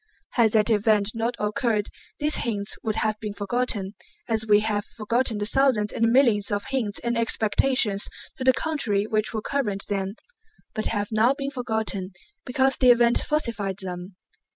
Had that event not occurred these hints would have been forgotten, as we have forgotten the thousands and millions of hints and expectations to the contrary which were current then but have now been forgotten because the event falsified them.